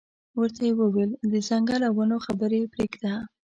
ورته یې وویل د ځنګل او ونو خبرې پرېږده.